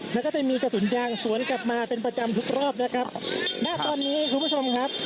แล้วก็จะมีกระสุนยางสวนกลับมาเป็นประจำทุกรอบนะครับณตอนนี้คุณผู้ชมครับ